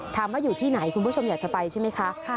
อยู่ที่ไหนคุณผู้ชมอยากจะไปใช่ไหมคะ